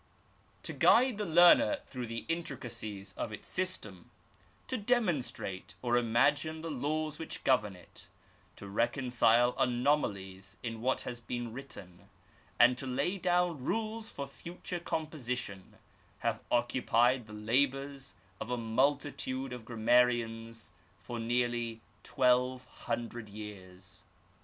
To guide the learner through the intricacies of its system, to demonstrate or imagine the laws which govern it, to reconcile anomalies in what has been written, and to lay down rules for future com position, have occupied the labours of a multitude of gram marians for nearly twelve hundred years.